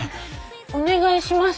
お願いします！